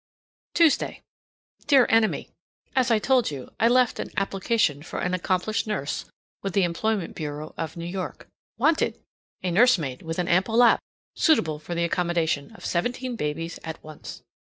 Tuesday. Dear Enemy: As I told you, I left an application for an accomplished nurse with the employment bureau of New York. Wanted! A nurse maid with an ample lap suitable for the accommodation of seventeen babies at once.